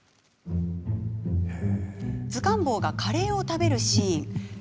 図鑑坊がカレーを食べるシーン。